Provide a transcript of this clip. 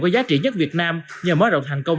có giá trị nhất việt nam nhờ mở rộng thành công